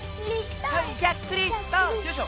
よいしょ！